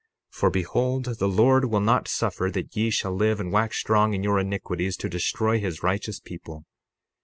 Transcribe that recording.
60:31 For behold, the Lord will not suffer that ye shall live and wax strong in your iniquities to destroy his righteous people.